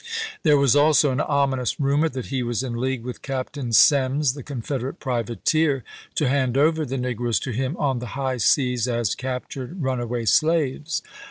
There was also an ominous rumor that he was in league with Captain Semmes, the Confederate privateer, to hand over the negroes to him on the high seas as "captured runaway slaves."